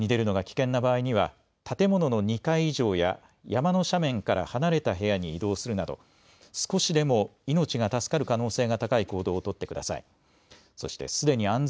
屋外に出るのが危険な場合には建物の２階以上や山の斜面から離れた部屋に移動するなど少しでも命が助かる可能性が高い行動を取ってください。